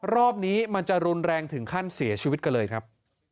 รอบนี้มันจะรุนแรงถึงขั้นเสียชีวิตกันเลยครับ